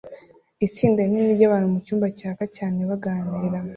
Itsinda rinini ryabantu mucyumba cyaka cyane baganira